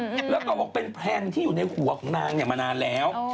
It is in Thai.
แล้วก็บอกเป็นแพลนที่อยู่ในหัวของนางเนี่ยมานานแล้ว